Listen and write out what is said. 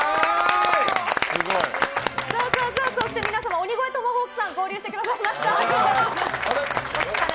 そして皆様、鬼越トマホークさん合流してくださいました。